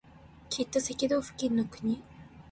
きっと赤道付近の国